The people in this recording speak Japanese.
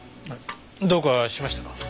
どうかしましたか？